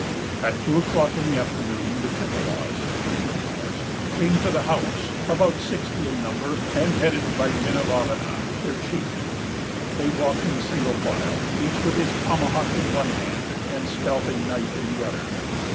"At two o'clock in the afternoon, the Chippewas (Ojibwas) came to the house, about sixty in number, and headed by Minavavana, their chief. They walked in single file, each with his tomahawk in one hand and scalping knife in the other.